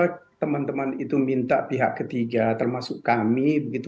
kenapa teman teman itu minta pihak ketiga termasuk kami